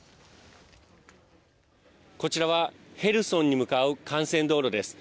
こちらはヘルソンに向かう幹線道路です。